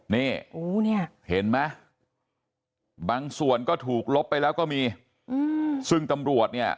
นี่เห็นไหมบางส่วนก็ถูกลบไปแล้วก็มีซึ่งตำรวจเนี่ย